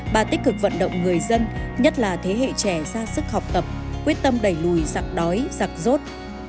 bà tích cực vận động người dân nhất là thế hệ trẻ ra sức học tập quyết tâm đẩy lùi giặc đói giặc rốt